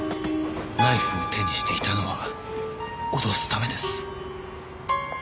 「ナイフを手にしていたのは脅す為です」